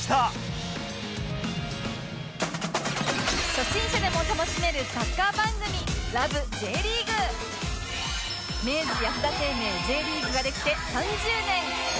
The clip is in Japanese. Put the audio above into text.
初心者でも楽しめるサッカー番組明治安田生命 Ｊ リーグができて３０年！